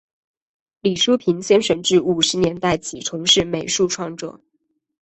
李叔平先生自五十年代起从事美术创作。